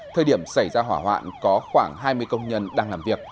thời điểm xảy ra hỏa hoạn có khoảng hai mươi công nhân đang làm việc